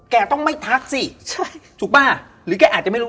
แกครูข้างบ้านสิใช่เปล่าหรือแกอาจจะไม่รู้